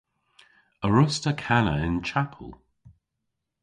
A wruss'ta kana y'n chapel?